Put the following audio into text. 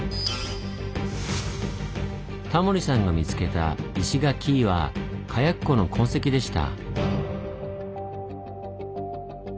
タモリさんが見つけた「石垣イ」は火薬庫の痕跡でした。